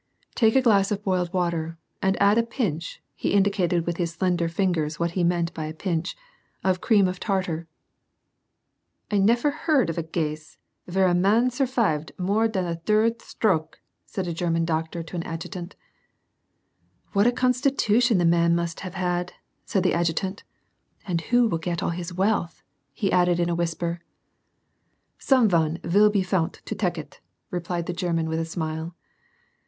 " Take a glass of boiled water, and add a pinch (he indicated with hia slender fingers what he meant by a pincn) of cream of tartar." " 1 neffer heard of a gase vere a mahn surfifed more dan a dird stroke," said a German doctor to an adjutant. " What a constitution the man must have had !" said the adjutant. " And who will get all his wealth ?" he added, in a whisper. "8ome vun vill be fount to tek it," replied the German, with a smile.